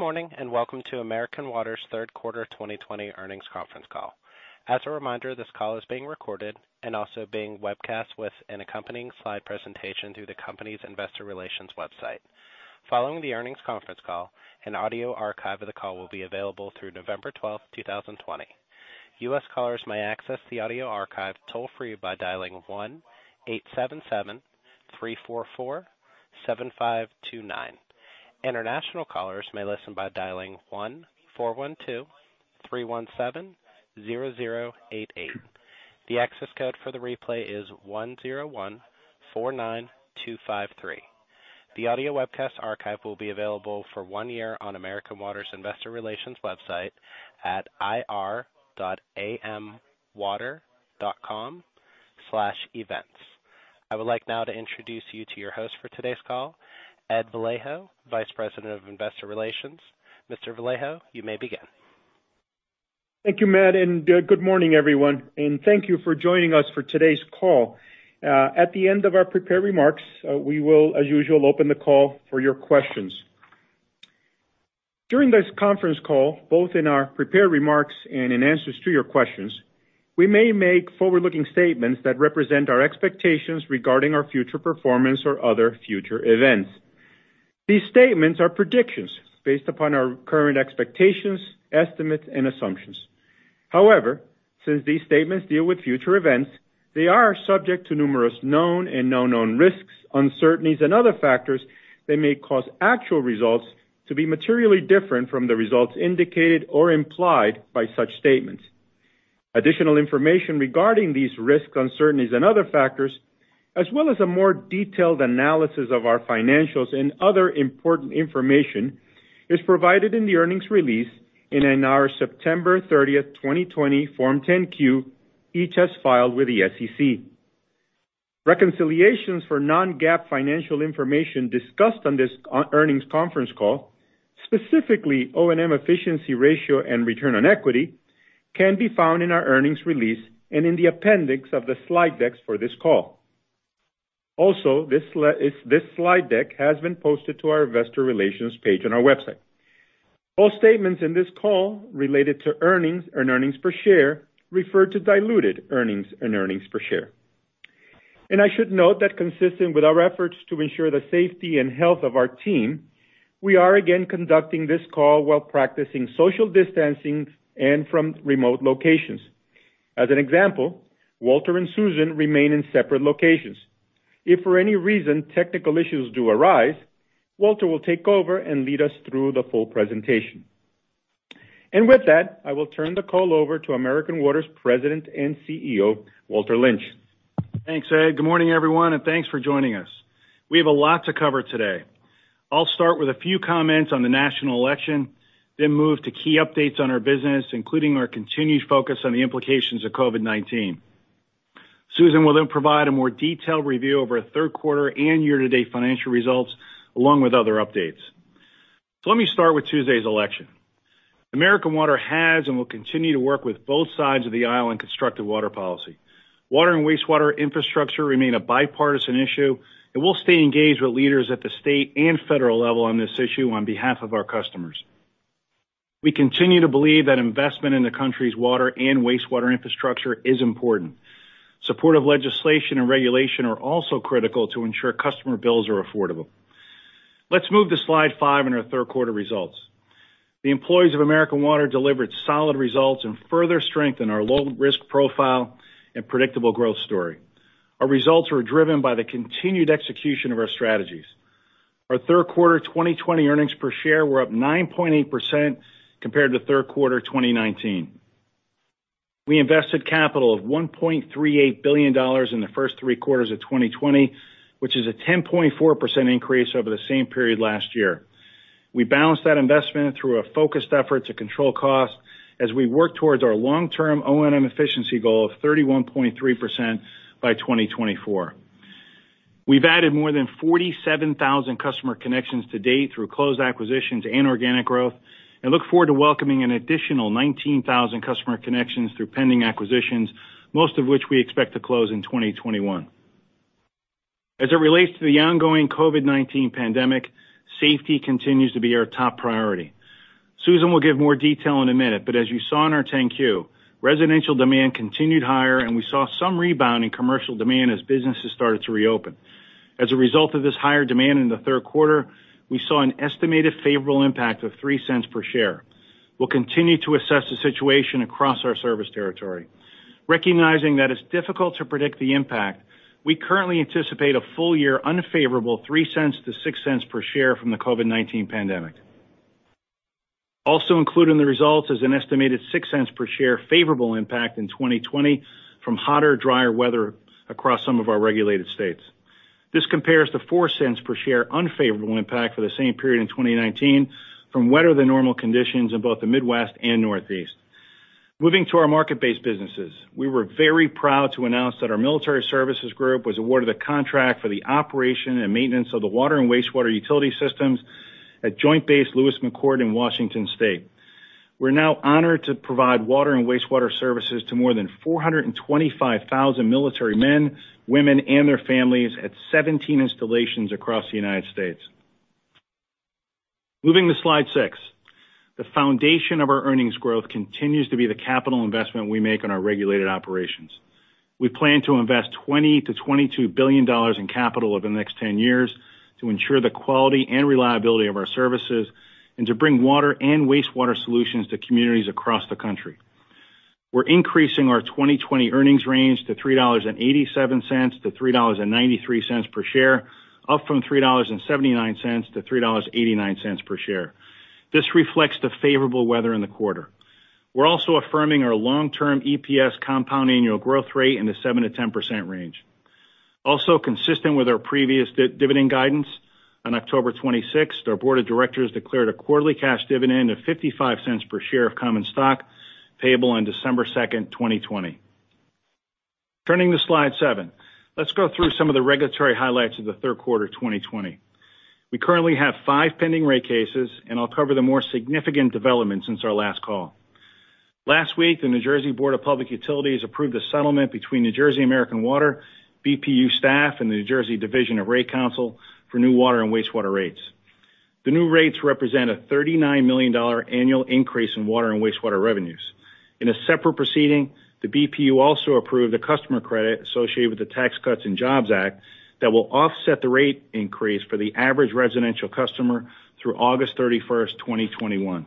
Good morning, and welcome to American Water's third quarter 2020 earnings conference call. As a reminder, this call is being recorded and also being webcast with an accompanying slide presentation through the company's investor relations website. Following the earnings conference call, an audio archive of the call will be available through November 12, 2020. U.S. callers may access the audio archive by dialing 1-877-344-7529. International callers may listen by dialing 1-412-317-0088. The access code for the replay is 101-49-253. The audio webcast archive will be available for one year on American Water's investor relations website at ir.amwater.com/events. I would like now to introduce you to your host for today's call, Ed Vallejo, Vice President of Investor Relations. Mr. Vallejo, you may begin. Thank you, Matt. Good morning, everyone, and thank you for joining us for today's call. At the end of our prepared remarks, we will, as usual, open the call for your questions. During this conference call, both in our prepared remarks and in answers to your questions, we may make forward-looking statements that represent our expectations regarding our future performance or other future events. These statements are predictions based upon our current expectations, estimates, and assumptions. Since these statements deal with future events, they are subject to numerous known and unknown risks, uncertainties and other factors that may cause actual results to be materially different from the results indicated or implied by such statements. Additional information regarding these risks, uncertainties, and other factors, as well as a more detailed analysis of our financials and other important information, is provided in the earnings release and in our September 30th, 2020 Form 10-Q, each as filed with the SEC. Reconciliations for non-GAAP financial information discussed on this earnings conference call, specifically O&M efficiency ratio and return on equity, can be found in our earnings release and in the appendix of the slide decks for this call. This slide deck has been posted to our investor relations page on our website. All statements in this call related to earnings and earnings per share refer to diluted earnings and earnings per share. I should note that consistent with our efforts to ensure the safety and health of our team, we are again conducting this call while practicing social distancing and from remote locations. As an example, Walter and Susan remain in separate locations. If for any reason technical issues do arise, Walter will take over and lead us through the full presentation. With that, I will turn the call over to American Water's President and CEO, Walter Lynch. Thanks, Ed. Good morning, everyone, and thanks for joining us. We have a lot to cover today. I'll start with a few comments on the national election, then move to key updates on our business, including our continued focus on the implications of COVID-19. Susan will then provide a more detailed review of our third quarter and year-to-date financial results, along with other updates. Let me start with Tuesday's election. American Water has and will continue to work with both sides of the aisle in constructive water policy. Water and wastewater infrastructure remain a bipartisan issue, and we'll stay engaged with leaders at the state and federal level on this issue on behalf of our customers. We continue to believe that investment in the country's water and wastewater infrastructure is important. Supportive legislation and regulation are also critical to ensure customer bills are affordable. Let's move to slide five and our third quarter results. The employees of American Water delivered solid results and further strengthened our low-risk profile and predictable growth story. Our results were driven by the continued execution of our strategies. Our third quarter 2020 earnings per share were up 9.8% compared to third quarter 2019. We invested capital of $1.38 billion in the first three quarters of 2020, which is a 10.4% increase over the same period last year. We balanced that investment through a focused effort to control cost as we work towards our long-term O&M efficiency goal of 31.3% by 2024. We've added more than 47,000 customer connections to date through closed acquisitions and organic growth and look forward to welcoming an additional 19,000 customer connections through pending acquisitions, most of which we expect to close in 2021. As it relates to the ongoing COVID-19 pandemic, safety continues to be our top priority. Susan will give more detail in a minute, but as you saw in our 10-Q, residential demand continued higher, and we saw some rebound in commercial demand as businesses started to reopen. As a result of this higher demand in the third quarter, we saw an estimated favorable impact of $0.03 per share. We'll continue to assess the situation across our service territory. Recognizing that it's difficult to predict the impact, we currently anticipate a full-year unfavorable $0.03-$0.06 per share from the COVID-19 pandemic. Also included in the results is an estimated $0.06 per share favorable impact in 2020 from hotter, drier weather across some of our regulated states. This compares to $0.04 per share unfavorable impact for the same period in 2019 from wetter than normal conditions in both the Midwest and Northeast. Moving to our market-based businesses. We were very proud to announce that our Military Services Group was awarded a contract for the operation and maintenance of the water and wastewater utility systems at Joint Base Lewis-McChord in Washington State. We're now honored to provide water and wastewater services to more than 425,000 military men, women, and their families at 17 installations across the United States. Moving to slide six. The foundation of our earnings growth continues to be the capital investment we make in our regulated operations. We plan to invest $20 billion-$22 billion in capital over the next 10 years to ensure the quality and reliability of our services, and to bring water and wastewater solutions to communities across the country. We're increasing our 2020 earnings range to $3.87-$3.93 per share, up from $3.79-$3.89 per share. This reflects the favorable weather in the quarter. We're also affirming our long-term EPS compound annual growth rate in the 7%-10% range. Consistent with our previous dividend guidance, on October 26th, our board of directors declared a quarterly cash dividend of $0.55 per share of common stock, payable on December 2nd, 2020. Turning to slide seven. Let's go through some of the regulatory highlights of the third quarter 2020. We currently have five pending rate cases. I'll cover the more significant developments since our last call. Last week, the New Jersey Board of Public Utilities approved a settlement between New Jersey American Water, BPU staff, and the New Jersey Division of Rate Counsel for new water and wastewater rates. The new rates represent a $39 million annual increase in water and wastewater revenues. In a separate proceeding, the BPU also approved a customer credit associated with the Tax Cuts and Jobs Act that will offset the rate increase for the average residential customer through August 31st, 2021.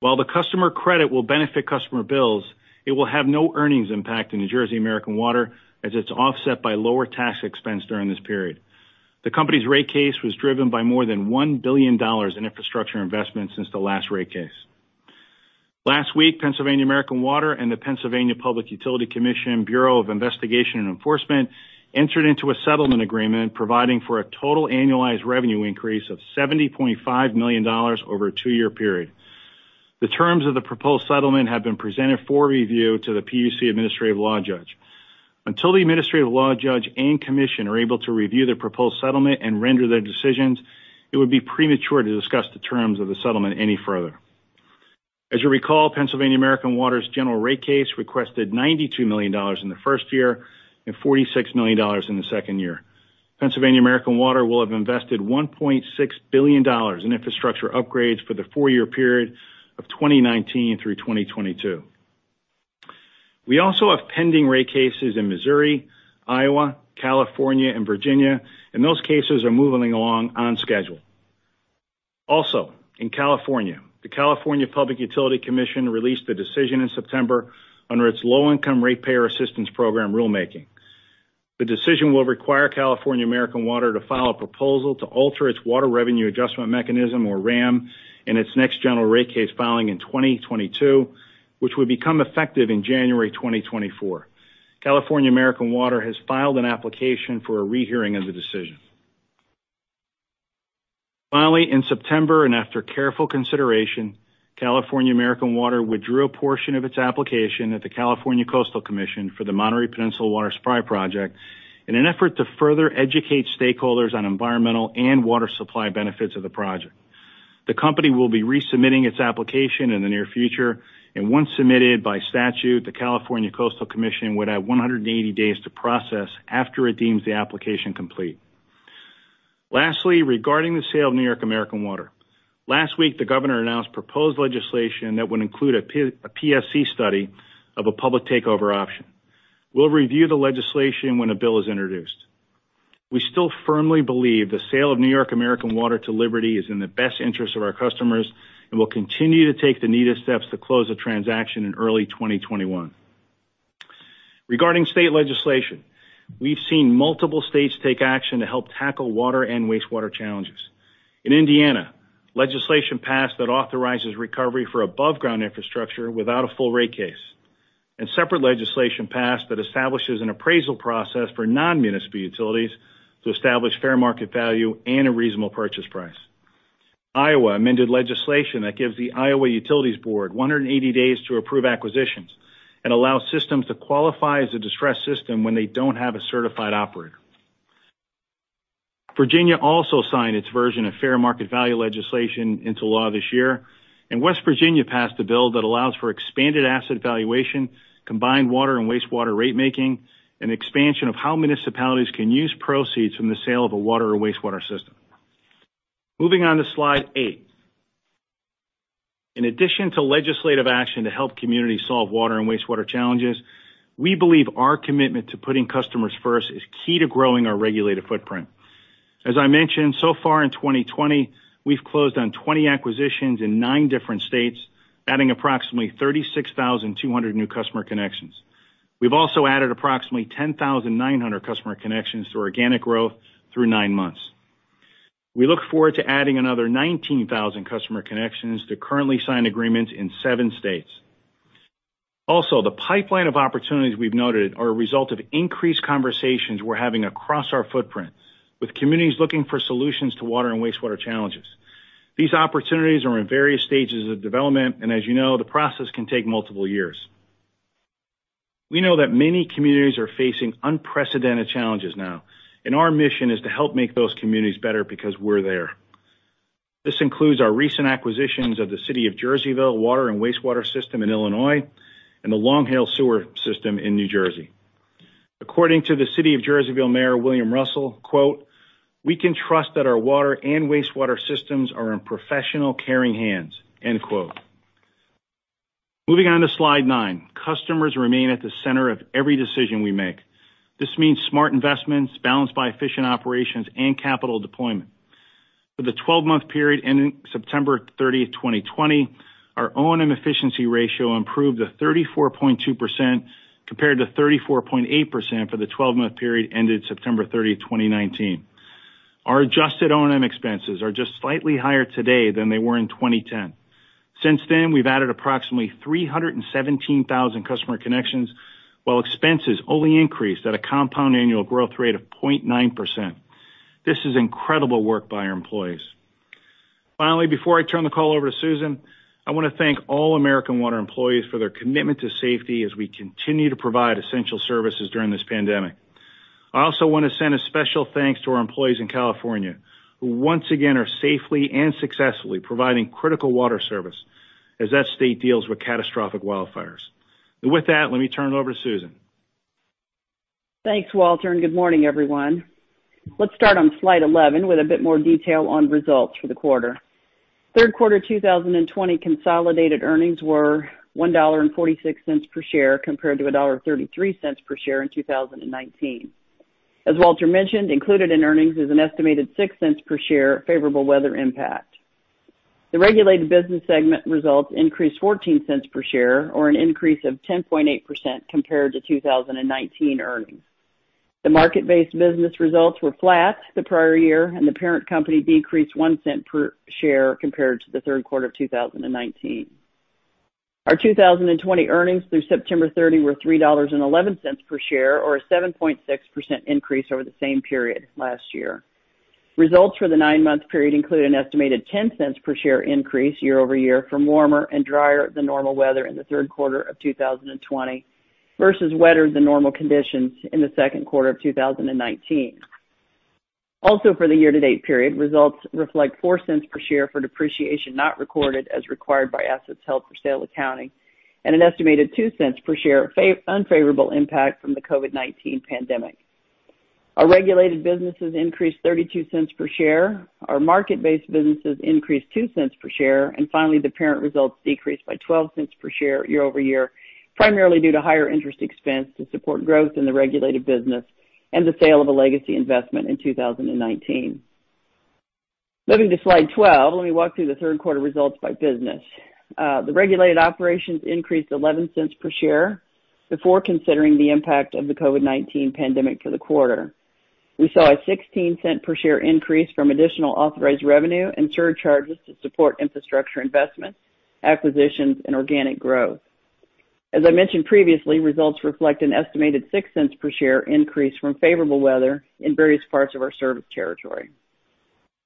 While the customer credit will benefit customer bills, it will have no earnings impact in New Jersey American Water, as it's offset by lower tax expense during this period. The company's rate case was driven by more than $1 billion in infrastructure investments since the last rate case. Last week, Pennsylvania American Water and the Pennsylvania Public Utility Commission Bureau of Investigation and Enforcement entered into a settlement agreement providing for a total annualized revenue increase of $70.5 million over a two-year period. The terms of the proposed settlement have been presented for review to the PUC administrative law judge. Until the administrative law judge and commission are able to review the proposed settlement and render their decisions, it would be premature to discuss the terms of the settlement any further. As you recall, Pennsylvania American Water's general rate case requested $92 million in the first year and $46 million in the second year. Pennsylvania American Water will have invested $1.6 billion in infrastructure upgrades for the four-year period of 2019 through 2022. We also have pending rate cases in Missouri, Iowa, California, and Virginia. Those cases are moving along on schedule. Also, in California, the California Public Utilities Commission released a decision in September under its Low-Income Ratepayer Assistance Program Rulemaking. The decision will require California American Water to file a proposal to alter its Water Revenue Adjustment Mechanism, or WRAM, in its next general rate case filing in 2022, which would become effective in January 2024. California American Water has filed an application for a rehearing of the decision. Finally, in September, and after careful consideration, California American Water withdrew a portion of its application at the California Coastal Commission for the Monterey Peninsula Water Supply Project in an effort to further educate stakeholders on environmental and water supply benefits of the project. The company will be resubmitting its application in the near future, and once submitted, by statute, the California Coastal Commission would have 180 days to process after it deems the application complete. Lastly, regarding the sale of New York American Water. Last week, the governor announced proposed legislation that would include a PSC study of a public takeover option. We'll review the legislation when a bill is introduced. We still firmly believe the sale of New York American Water to Liberty is in the best interest of our customers and will continue to take the needed steps to close the transaction in early 2021. Regarding state legislation, we've seen multiple states take action to help tackle water and wastewater challenges. In Indiana, legislation passed that authorizes recovery for above-ground infrastructure without a full rate case. A separate legislation passed that establishes an appraisal process for non-municipal utilities to establish fair market value and a reasonable purchase price. Iowa amended legislation that gives the Iowa Utilities Board 180 days to approve acquisitions and allows systems to qualify as a distressed system when they don't have a certified operator. Virginia also signed its version of fair market value legislation into law this year. West Virginia passed a bill that allows for expanded asset valuation, combined water and wastewater rate making, and expansion of how municipalities can use proceeds from the sale of a water or wastewater system. Moving on to slide eight. In addition to legislative action to help communities solve water and wastewater challenges, we believe our commitment to putting customers first is key to growing our regulated footprint. As I mentioned, so far in 2020, we've closed on 20 acquisitions in nine different states, adding approximately 36,200 new customer connections. We've also added approximately 10,900 customer connections through organic growth through nine months. We look forward to adding another 19,000 customer connections to currently signed agreements in seven states. The pipeline of opportunities we've noted are a result of increased conversations we're having across our footprint with communities looking for solutions to water and wastewater challenges. These opportunities are in various stages of development, and as you know, the process can take multiple years. We know that many communities are facing unprecedented challenges now, and our mission is to help make those communities better because we're there. This includes our recent acquisitions of the City of Jerseyville Water and Wastewater System in Illinois and the Long Hill Sewer System in New Jersey. According to the City of Jerseyville Mayor William Russell, "We can trust that our water and wastewater systems are in professional, caring hands." Moving on to slide nine. Customers remain at the center of every decision we make. This means smart investments balanced by efficient operations and capital deployment. For the 12-month period ending September 30, 2020, our O&M efficiency ratio improved to 34.2% compared to 34.8% for the 12-month period ended September 30, 2019. Our adjusted O&M expenses are just slightly higher today than they were in 2010. Since then, we've added approximately 317,000 customer connections, while expenses only increased at a compound annual growth rate of 0.9%. This is incredible work by our employees. Finally, before I turn the call over to Susan, I want to thank all American Water employees for their commitment to safety as we continue to provide essential services during this pandemic. I also want to send a special thanks to our employees in California, who once again are safely and successfully providing critical water service as that state deals with catastrophic wildfires. With that, let me turn it over to Susan. Thanks, Walter, and good morning, everyone. Let's start on slide 11 with a bit more detail on results for the quarter. Third quarter 2020 consolidated earnings were $1.46 per share compared to $1.33 per share in 2019. As Walter mentioned, included in earnings is an estimated $0.06 per share favorable weather impact. The regulated business segment results increased $0.14 per share or an increase of 10.8% compared to 2019 earnings. The market-based business results were flat the prior year, and the parent company decreased $0.01 per share compared to the third quarter of 2019. Our 2020 earnings through September 30 were $3.11 per share or a 7.6% increase over the same period last year. Results for the nine-month period include an estimated $0.10 per share increase year-over-year from warmer and drier than normal weather in the third quarter of 2020 versus wetter than normal conditions in the second quarter of 2019. Also for the year-to-date period, results reflect $0.04 per share for depreciation not recorded as required by assets held for sale accounting and an estimated $0.02 per share unfavorable impact from the COVID-19 pandemic. Our regulated businesses increased $0.32 per share. Our market-based businesses increased $0.02 per share. Finally, the parent results decreased by $0.12 per share year-over-year, primarily due to higher interest expense to support growth in the regulated business and the sale of a legacy investment in 2019. Moving to slide 12, let me walk through the third quarter results by business. The regulated operations increased $0.11 per share before considering the impact of the COVID-19 pandemic for the quarter. We saw a $0.16 per share increase from additional authorized revenue and surcharges to support infrastructure investments, acquisitions, and organic growth. As I mentioned previously, results reflect an estimated $0.06 per share increase from favorable weather in various parts of our service territory.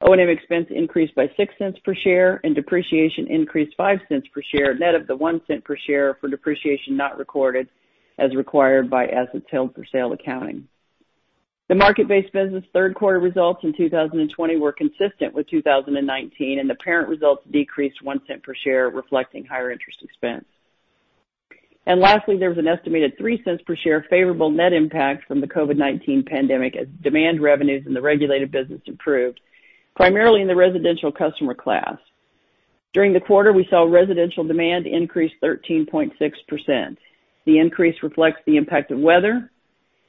O&M expense increased by $0.06 per share, and depreciation increased $0.05 per share, net of the $0.01 per share for depreciation not recorded as required by assets held for sale accounting. The market-based business third quarter results in 2020 were consistent with 2019, and the parent results decreased $0.01 per share, reflecting higher interest expense. Lastly, there was an estimated $0.03 per share favorable net impact from the COVID-19 pandemic as demand revenues in the regulated business improved, primarily in the residential customer class. During the quarter, we saw residential demand increase 13.6%. The increase reflects the impact of weather,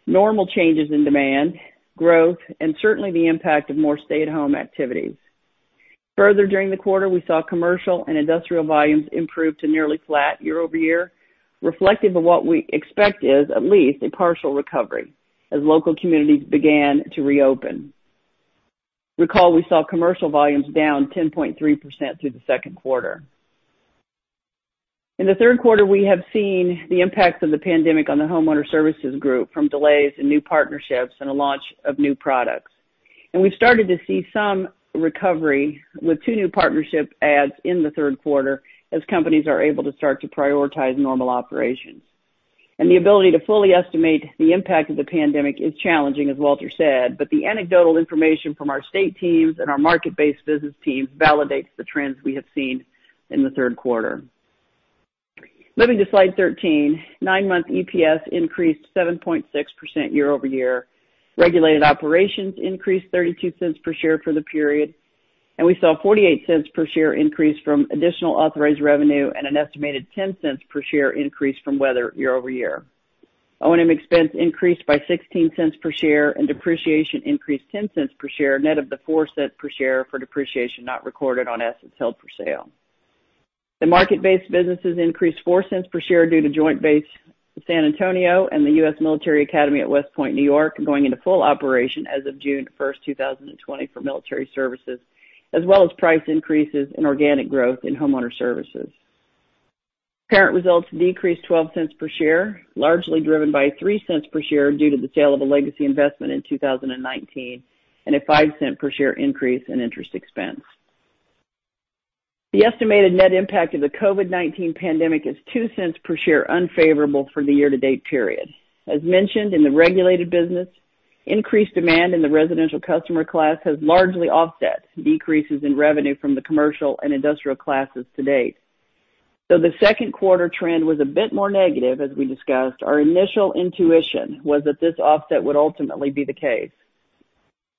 normal changes in demand, growth, and certainly the impact of more stay-at-home activities. Further, during the quarter, we saw commercial and industrial volumes improve to nearly flat year-over-year, reflective of what we expect is at least a partial recovery as local communities began to reopen. Recall we saw commercial volumes down 10.3% through the second quarter. In the third quarter, we have seen the impacts of the pandemic on the Homeowner Services Group from delays in new partnerships and the launch of new products. We've started to see some recovery with two new partnership adds in the third quarter as companies are able to start to prioritize normal operations. The ability to fully estimate the impact of the pandemic is challenging, as Walter said, but the anecdotal information from our state teams and our market-based business teams validates the trends we have seen in the third quarter. Moving to slide 13, nine-month EPS increased 7.6% year-over-year. Regulated operations increased $0.32 per share for the period, and we saw $0.48 per share increase from additional authorized revenue and an estimated $0.10 per share increase from weather year-over-year. O&M expense increased by $0.16 per share, and depreciation increased $0.10 per share, net of the $0.04 per share for depreciation not recorded on assets held for sale. The market-based businesses increased $0.04 per share due to Joint Base San Antonio and the U.S. Military Academy at West Point, New York going into full operation as of June 1st, 2020 for military services, as well as price increases and organic growth in Homeowner Services. Parent results decreased $0.12 per share, largely driven by $0.03 per share due to the sale of a legacy investment in 2019 and a $0.05 per share increase in interest expense. The estimated net impact of the COVID-19 pandemic is $0.02 per share unfavorable for the year-to-date period. As mentioned in the regulated business, increased demand in the residential customer class has largely offset decreases in revenue from the commercial and industrial classes to date. Though the second quarter trend was a bit more negative as we discussed, our initial intuition was that this offset would ultimately be the case.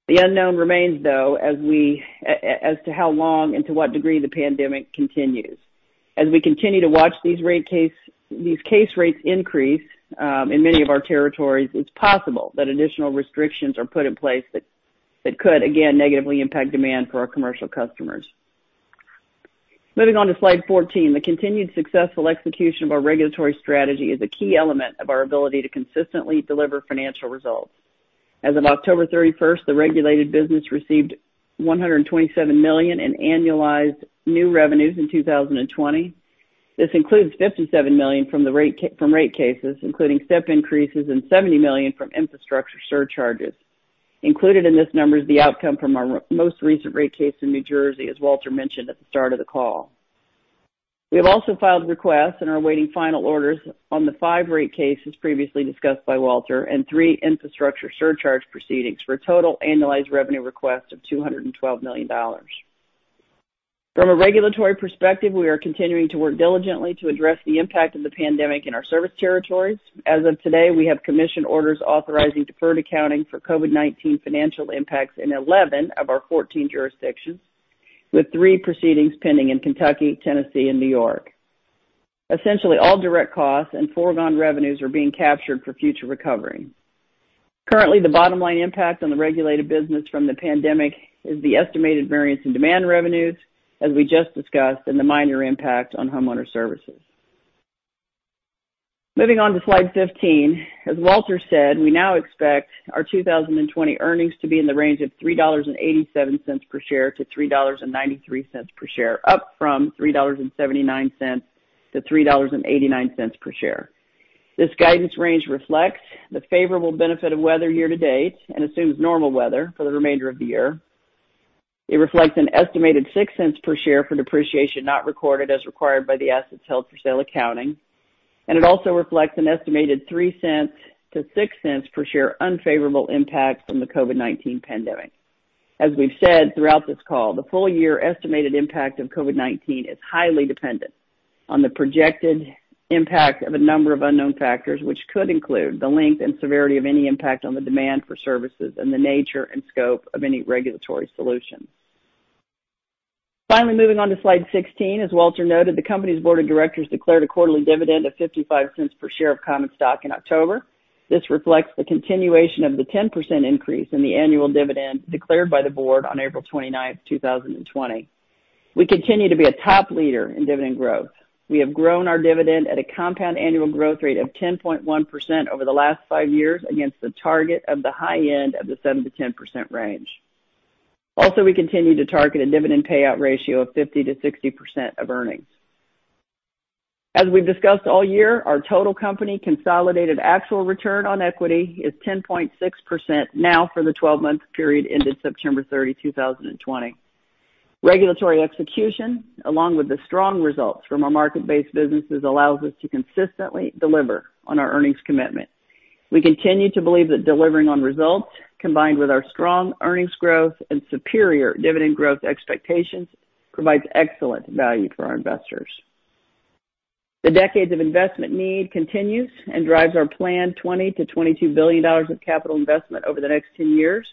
The unknown remains, though, as to how long and to what degree the pandemic continues. As we continue to watch these case rates increase in many of our territories, it's possible that additional restrictions are put in place that could, again, negatively impact demand for our commercial customers. Moving on to slide 14. The continued successful execution of our regulatory strategy is a key element of our ability to consistently deliver financial results. As of October 31st, the regulated business received $127 million in annualized new revenues in 2020. This includes $57 million from rate cases, including step increases and $70 million from infrastructure surcharges. Included in this number is the outcome from our most recent rate case in New Jersey, as Walter mentioned at the start of the call. We have also filed requests and are awaiting final orders on the five rate cases previously discussed by Walter and three infrastructure surcharge proceedings for a total annualized revenue request of $212 million. From a regulatory perspective, we are continuing to work diligently to address the impact of the pandemic in our service territories. As of today, we have commission orders authorizing deferred accounting for COVID-19 financial impacts in 11 of our 14 jurisdictions, with three proceedings pending in Kentucky, Tennessee, and New York. Essentially, all direct costs and foregone revenues are being captured for future recovery. Currently, the bottom line impact on the regulated business from the pandemic is the estimated variance in demand revenues, as we just discussed, and the minor impact on Homeowner Services. Moving on to slide 15. As Walter said, we now expect our 2020 earnings to be in the range of $3.87 per share to $3.93 per share, up from $3.79 to $3.89 per share. This guidance range reflects the favorable benefit of weather year-to-date and assumes normal weather for the remainder of the year. It reflects an estimated $0.06 per share for depreciation not recorded as required by the assets held for sale accounting. It also reflects an estimated $0.03 to $0.06 per share unfavorable impact from the COVID-19 pandemic. As we've said throughout this call, the full year estimated impact of COVID-19 is highly dependent on the projected impact of a number of unknown factors, which could include the length and severity of any impact on the demand for services and the nature and scope of any regulatory solutions. Finally, moving on to slide 16. As Walter noted, the company's board of directors declared a quarterly dividend of $0.55 per share of common stock in October. This reflects the continuation of the 10% increase in the annual dividend declared by the board on April 29th, 2020. We continue to be a top leader in dividend growth. We have grown our dividend at a compound annual growth rate of 10.1% over the last five years against a target of the high end of the 7%-10% range. We continue to target a dividend payout ratio of 50%-60% of earnings. As we've discussed all year, our total company consolidated actual return on equity is 10.6% now for the 12-month period ended September 30, 2020. Regulatory execution, along with the strong results from our market-based businesses, allows us to consistently deliver on our earnings commitment. We continue to believe that delivering on results, combined with our strong earnings growth and superior dividend growth expectations, provides excellent value for our investors. The decades of investment need continues and drives our planned $20 billion-$22 billion of capital investment over the next 10 years.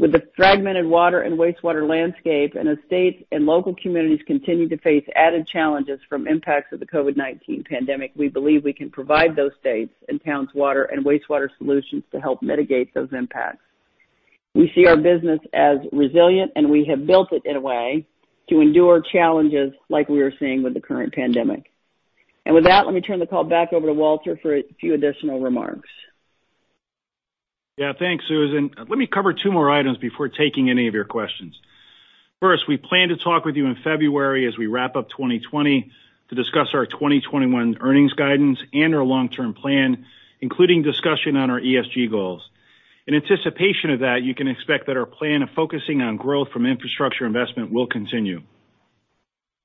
With the fragmented water and wastewater landscape and as state and local communities continue to face added challenges from impacts of the COVID-19 pandemic, we believe we can provide those states and towns water and wastewater solutions to help mitigate those impacts. We see our business as resilient, and we have built it in a way to endure challenges like we are seeing with the current pandemic. With that, let me turn the call back over to Walter for a few additional remarks. Thanks, Susan. Let me cover two more items before taking any of your questions. First, we plan to talk with you in February as we wrap up 2020 to discuss our 2021 earnings guidance and our long-term plan, including discussion on our ESG goals. In anticipation of that, you can expect that our plan of focusing on growth from infrastructure investment will continue.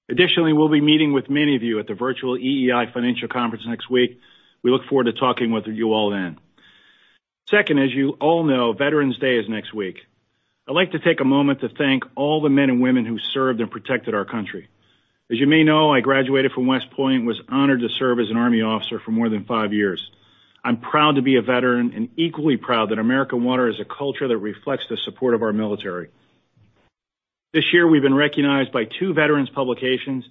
Additionally, we'll be meeting with many of you at the virtual EEI Financial Conference next week. We look forward to talking with you all then. Second, as you all know, Veterans Day is next week. I'd like to take a moment to thank all the men and women who served and protected our country. As you may know, I graduated from West Point and was honored to serve as an Army officer for more than five years. I'm proud to be a veteran and equally proud that American Water is a culture that reflects the support of our military. This year we've been recognized by two veterans publications,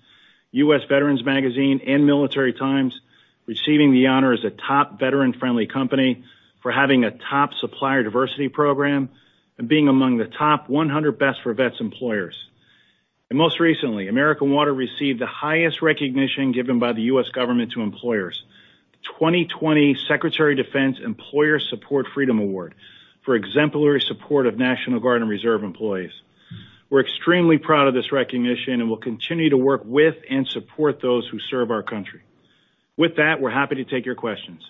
"U.S. Veterans Magazine" and "Military Times," receiving the honor as a top veteran-friendly company for having a top supplier diversity program and being among the top 100 Best for Vets employers. Most recently, American Water received the highest recognition given by the U.S. government to employers, the 2020 Secretary of Defense Employer Support Freedom Award for exemplary support of National Guard and Reserve employees. We're extremely proud of this recognition and will continue to work with and support those who serve our country. With that, we're happy to take your questions.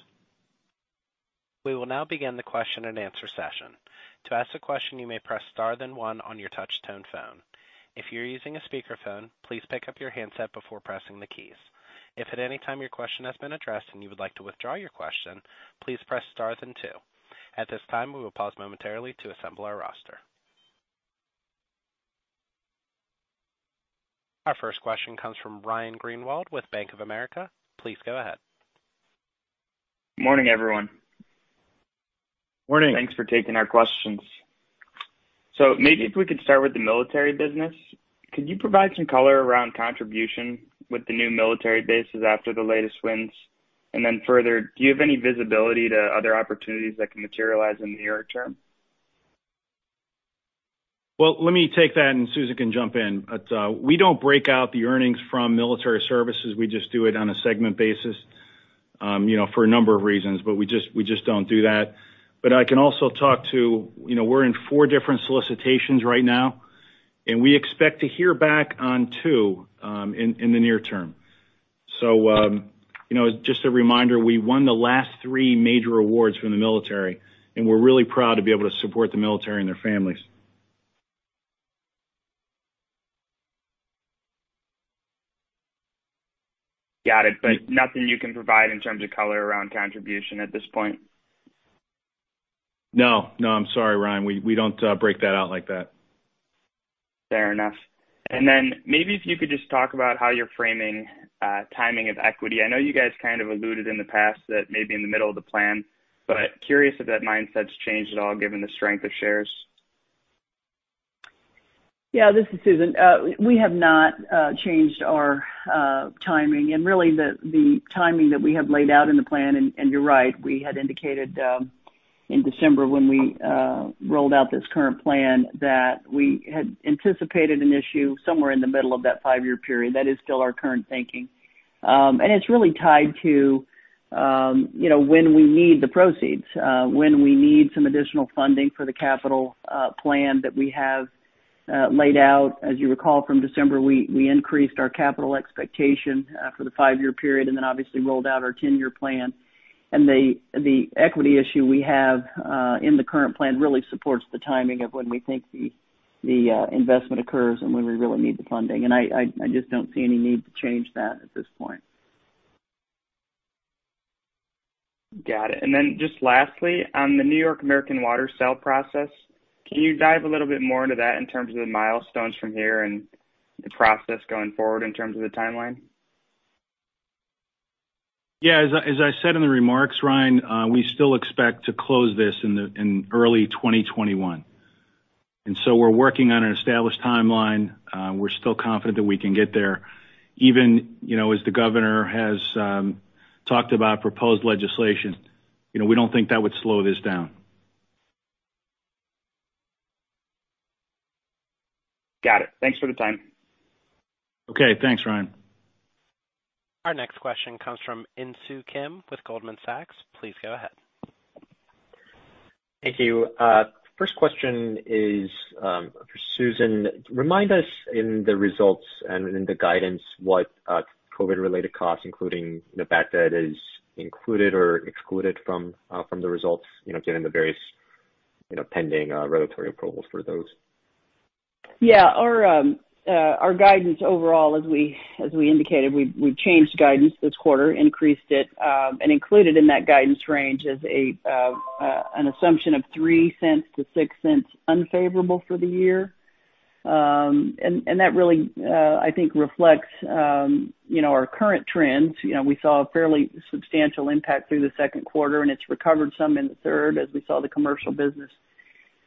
We will now begin the question and answer session. To ask a question, you may press the star then one on your touchtone phone. If you are using a speakerphone, please pick up the handset before pressing the keys. If at anytime your question has been addressed and you would like to withdraw your question, please press star then two. At this time, we will pause momentarily to assemble our roster. Our first question comes from Ryan Greenwald with Bank of America. Please go ahead. Morning, everyone. Morning. Thanks for taking our questions. Maybe if we could start with the military business. Could you provide some color around contribution with the new military bases after the latest wins? Further, do you have any visibility to other opportunities that can materialize in the near term? Well, let me take that and Susan can jump in. We don't break out the earnings from military services, we just do it on a segment basis for a number of reasons, but we just don't do that. I can also talk to. We're in four different solicitations right now, and we expect to hear back on two in the near term. Just a reminder, we won the last three major awards from the military, and we're really proud to be able to support the military and their families. Got it. Nothing you can provide in terms of color around contribution at this point? No, I'm sorry, Ryan. We don't break that out like that. Fair enough. Maybe if you could just talk about how you're framing timing of equity? I know you guys kind of alluded in the past that maybe in the middle of the plan, but curious if that mindset's changed at all given the strength of shares. Yeah, this is Susan. We have not changed our timing and really the timing that we have laid out in the plan. You're right, we had indicated in December when we rolled out this current plan that we had anticipated an issue somewhere in the middle of that five-year period. That is still our current thinking. It's really tied to when we need the proceeds, when we need some additional funding for the capital plan that we have laid out. As you recall from December, we increased our capital expectation for the five-year period. Then obviously rolled out our 10-year plan. The equity issue we have in the current plan really supports the timing of when we think the investment occurs and when we really need the funding. I just don't see any need to change that at this point. Got it. Just lastly, on the New York American Water sale process, can you dive a little bit more into that in terms of the milestones from here and the process going forward in terms of the timeline? As I said in the remarks, Ryan, we still expect to close this in early 2021. We're working on an established timeline. We're still confident that we can get there. Even as the governor has talked about proposed legislation, we don't think that would slow this down. Got it. Thanks for the time. Okay. Thanks, Ryan. Our next question comes from Insoo Kim with Goldman Sachs. Please go ahead. Thank you. First question is for Susan. Remind us in the results and in the guidance what COVID-related costs, including the bad debt, is included or excluded from the results given the various pending regulatory approvals for those? Yeah. Our guidance overall, as we indicated, we've changed guidance this quarter, increased it, and included in that guidance range is an assumption of $0.03-$0.06 unfavorable for the year. That really, I think, reflects our current trends. We saw a fairly substantial impact through the second quarter, and it's recovered some in the third as we saw the commercial business,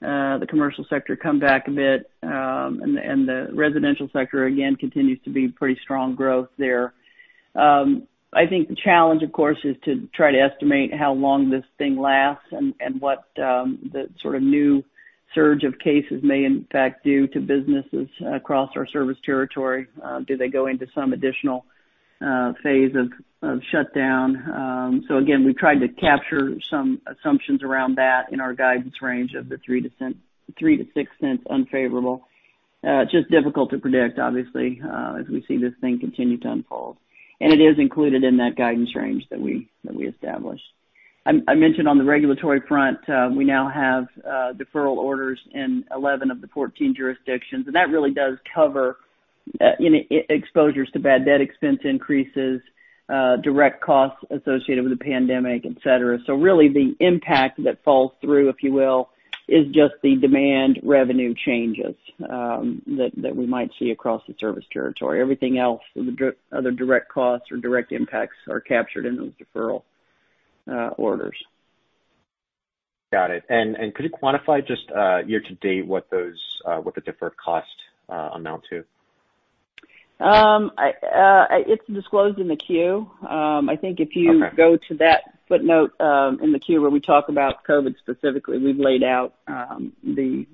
the commercial sector come back a bit. The residential sector, again, continues to be pretty strong growth there. I think the challenge, of course, is to try to estimate how long this thing lasts and what the sort of new surge of cases may in fact do to businesses across our service territory. Do they go into some additional phase of shutdown? Again, we tried to capture some assumptions around that in our guidance range of the $0.03-$0.06 unfavorable. It's just difficult to predict, obviously, as we see this thing continue to unfold. It is included in that guidance range that we established. I mentioned on the regulatory front, we now have deferral orders in 11 of the 14 jurisdictions. That really does cover exposures to bad debt expense increases, direct costs associated with the pandemic, et cetera. Really the impact that falls through, if you will, is just the demand revenue changes that we might see across the service territory. Everything else, the other direct costs or direct impacts are captured in those deferral orders. Got it. Could you quantify just year to date what the deferred costs amount to? It's disclosed in the Q. Okay. I think if you go to that footnote in the Q where we talk about COVID specifically, we've laid out the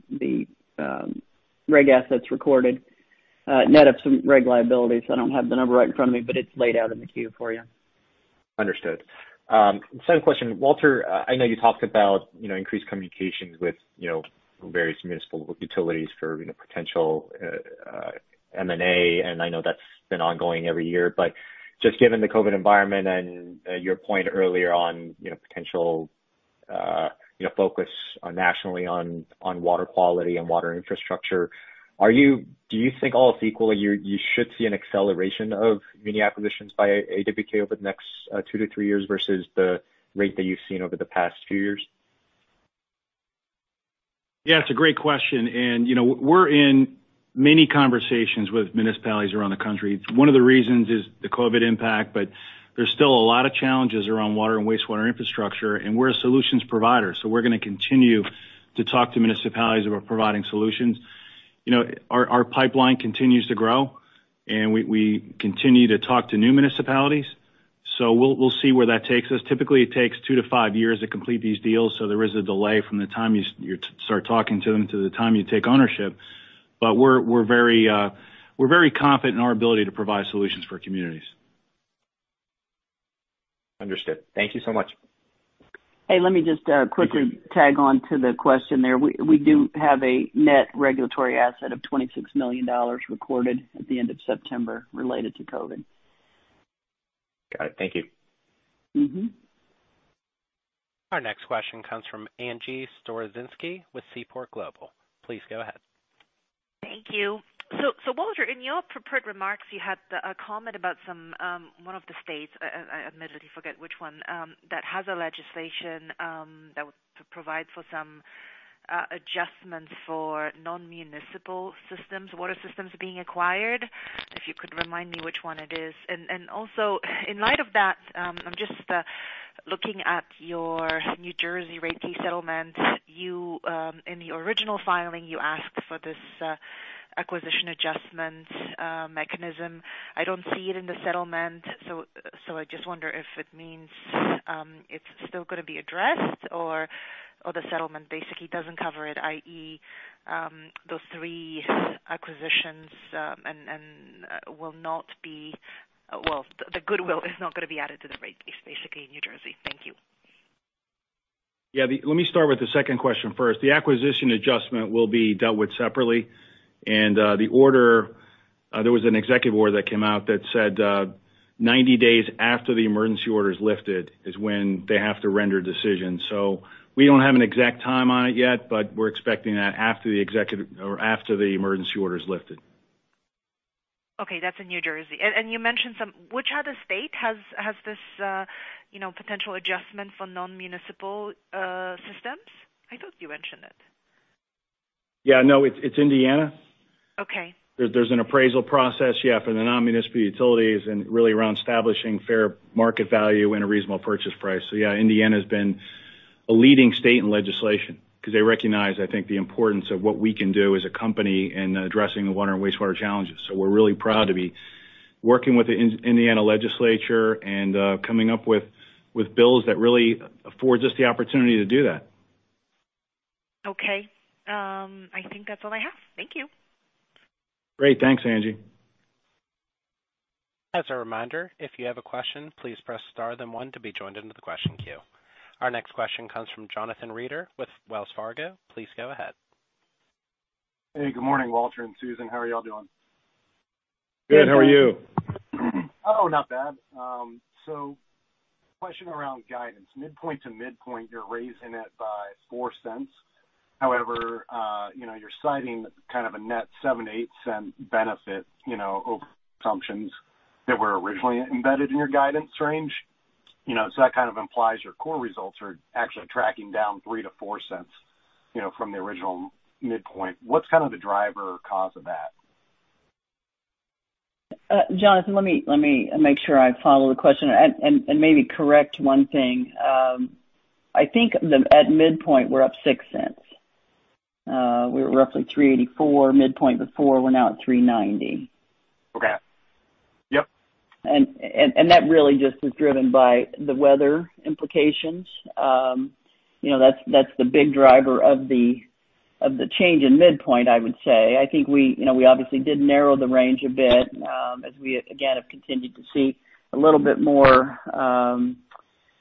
reg assets recorded net of some reg liabilities. I don't have the number right in front of me, but it's laid out in the Q for you. Understood. Second question. Walter, I know you talked about increased communications with various municipal utilities for potential M&A, and I know that's been ongoing every year, but just given the COVID environment and your point earlier on potential focus nationally on water quality and water infrastructure, do you think all else equal, you should see an acceleration of mini acquisitions by AWK over the next two to three years versus the rate that you've seen over the past few years? Yeah, it's a great question. We're in many conversations with municipalities around the country. One of the reasons is the COVID impact, but there's still a lot of challenges around water and wastewater infrastructure, and we're a solutions provider. We're going to continue to talk to municipalities about providing solutions. Our pipeline continues to grow, and we continue to talk to new municipalities. We'll see where that takes us. Typically, it takes two to five years to complete these deals, so there is a delay from the time you start talking to them to the time you take ownership. We're very confident in our ability to provide solutions for communities. Understood. Thank you so much. Hey, let me just quickly tag on to the question there. We do have a net regulatory asset of $26 million recorded at the end of September related to COVID. Got it. Thank you. Our next question comes from Angie Storozynski with Seaport Global. Please go ahead. Thank you. Walter, in your prepared remarks, you had a comment about one of the states, I admittedly forget which one, that has a legislation that provides for some adjustments for non-municipal systems, water systems being acquired. If you could remind me which one it is. Also, in light of that, I'm just looking at your New Jersey rate case settlement. In the original filing, you asked for this acquisition adjustment mechanism. I don't see it in the settlement, I just wonder if it means it's still going to be addressed or the settlement basically doesn't cover it, i.e., the goodwill is not going to be added to the rate base basically in New Jersey. Thank you. Yeah. Let me start with the second question first. The acquisition adjustment will be dealt with separately and the order, there was an executive order that came out that said 90 days after the emergency order is lifted is when they have to render decisions. We don't have an exact time on it yet, but we're expecting that after the executive or after the emergency order is lifted. Okay. That's in New Jersey. You mentioned, which other state has this potential adjustment for non-municipal systems? I thought you mentioned it. Yeah. No, it's Indiana. Okay. There's an appraisal process, yeah, for the non-municipal utilities and really around establishing fair market value and a reasonable purchase price. Yeah, Indiana's been a leading state in legislation because they recognize, I think, the importance of what we can do as a company in addressing the water and wastewater challenges. We're really proud to be working with the Indiana legislature and coming up with bills that really affords us the opportunity to do that. Okay. I think that's all I have. Thank you. Great. Thanks, Angie. As a reminder, if you have a question, please press star then one to be joined into the question queue. Our next question comes from Jonathan Reeder with Wells Fargo. Please go ahead. Hey, good morning, Walter and Susan. How are you all doing? Good. How are you? Not bad. Question around guidance. Midpoint to midpoint, you're raising it by $0.04. However, you're citing kind of a net $0.07-$0.08 benefit, over assumptions that were originally embedded in your guidance range. That kind of implies your core results are actually tracking down $0.03-$0.04, from the original midpoint. What's the driver cause of that? Jonathan, let me make sure I follow the question and maybe correct one thing. I think at midpoint, we're up $0.06. We were roughly $3.84 midpoint before, we're now at $3.90. Okay. Yep. That really just is driven by the weather implications. That's the big driver of the change in midpoint, I would say. I think we obviously did narrow the range a bit, as we again, have continued to see a little bit more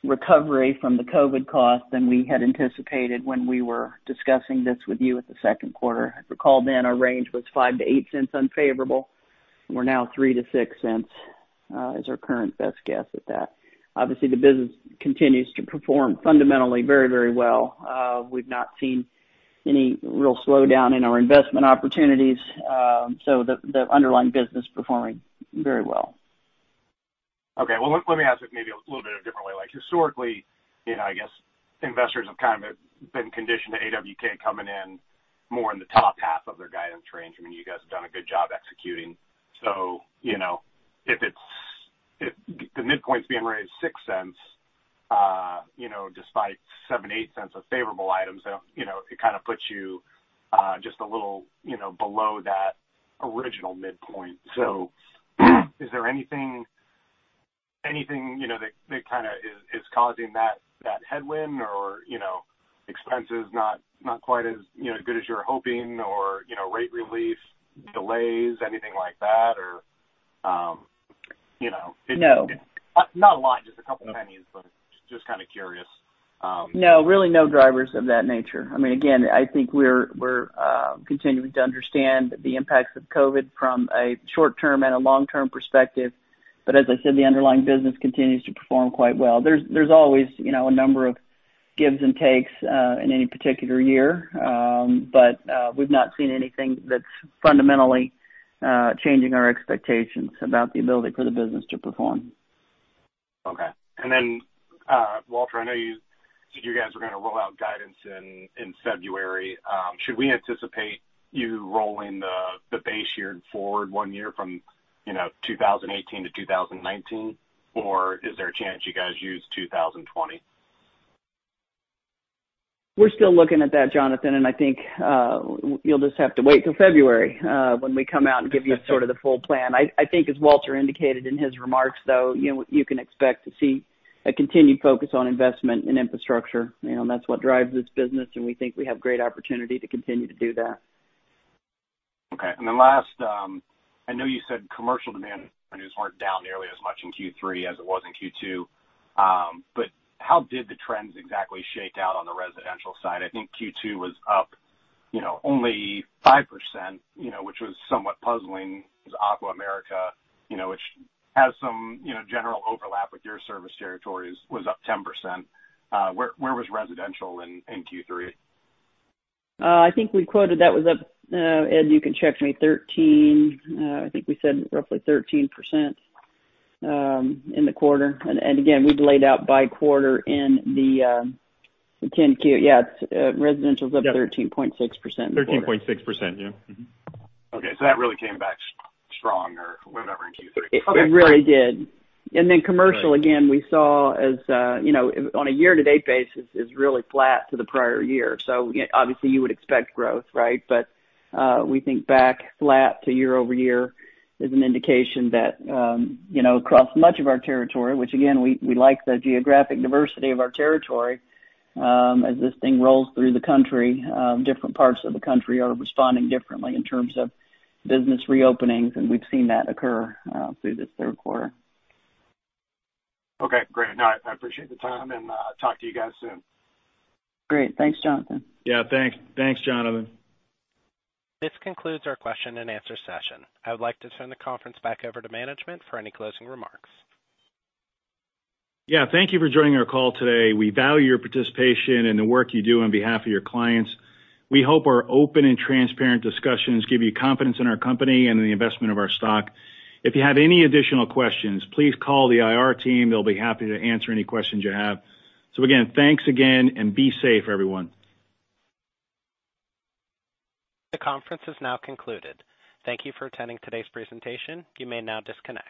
recovery from the COVID cost than we had anticipated when we were discussing this with you at the second quarter. If you recall then, our range was $0.05-$0.08 unfavorable. We're now $0.03-$0.06, is our current best guess at that. Obviously, the business continues to perform fundamentally very well. We've not seen any real slowdown in our investment opportunities. The underlying business is performing very well. Okay. Well, let me ask it maybe a little bit of a different way. Historically, I guess investors have kind of been conditioned to AWK coming in more in the top half of their guidance range. I mean, you guys have done a good job executing. If the midpoint's being raised $0.06, despite $0.07-$0.08 of favorable items, it kind of puts you just a little below that original midpoint. Is there anything that is causing that headwind or expense is not quite as good as you were hoping or rate relief delays, anything like that? No Not a lot, just a couple pennies, but just kind of curious. No, really no drivers of that nature. I think we're continuing to understand the impacts of COVID from a short-term and a long-term perspective. As I said, the underlying business continues to perform quite well. There's always a number of gives and takes in any particular year. We've not seen anything that's fundamentally changing our expectations about the ability for the business to perform. Okay. Walter, I know you guys are going to roll out guidance in February. Should we anticipate you rolling the base year forward one year from 2018 to 2019, or is there a chance you guys use 2020? We're still looking at that, Jonathan, and I think you'll just have to wait till February when we come out and give you the full plan. I think as Walter indicated in his remarks, though, you can expect to see a continued focus on investment in infrastructure. That's what drives this business, and we think we have great opportunity to continue to do that. Okay. Last, I know you said commercial demand revenues weren't down nearly as much in Q3 as it was in Q2. How did the trends exactly shake out on the residential side? I think Q2 was up only 5%, which was somewhat puzzling because Aqua America, which has some general overlap with your service territories, was up 10%. Where was residential in Q3? I think we quoted that was up, Ed, you can check me, 13%. I think we said roughly 13% in the quarter. Again, we've laid out by quarter in the 10-Q. residential's up- Yep 13.6% in the quarter. 13.6%, yeah. Mm-hmm. Okay, that really came back strong or whatever in Q3. It really did. Right In commercial, again, we saw on a year-to-date basis is really flat to the prior year. Obviously you would expect growth. We think back flat to year-over-year is an indication that across much of our territory, which again, we like the geographic diversity of our territory. As this thing rolls through the country, different parts of the country are responding differently in terms of business reopenings, and we've seen that occur through this third quarter. Okay, great. No, I appreciate the time, and talk to you guys soon. Great. Thanks, Jonathan. Yeah. Thanks, Jonathan. This concludes our question and answer session. I would like to turn the conference back over to management for any closing remarks. Yeah. Thank you for joining our call today. We value your participation and the work you do on behalf of your clients. We hope our open and transparent discussions give you confidence in our company and in the investment of our stock. If you have any additional questions, please call the IR team. They'll be happy to answer any questions you have. Again, thanks again, and be safe, everyone. The conference is now concluded. Thank you for attending today's presentation. You may now disconnect.